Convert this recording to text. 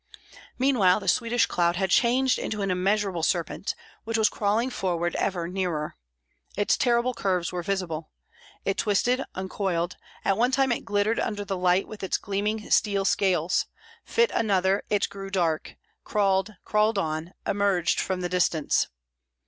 Meanwhile the Swedish cloud had changed into an immeasurable serpent, which was crawling forward ever nearer. Its terrible curves were visible. It twisted, uncoiled; at one time it glittered under the light with its gleaming steel scales, fit another it grew dark, crawled, crawled on, emerged from the distance.